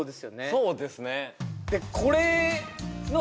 そうですね